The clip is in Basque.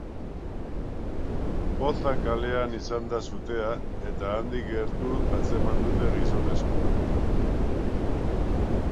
Poza kalean izan da sutea eta handik gertu atzeman dute gizonezkoa.